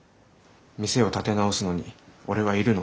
店を立て直すのに俺は要るの？